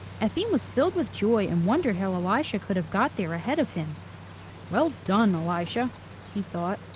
Efim was filled with joy and wondered how Elisha could have got there ahead of him. "Well done, Elisha!*' he thought.